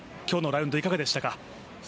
今日のラウンドいかがでしたか。